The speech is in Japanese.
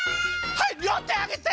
はいりょうてあげて！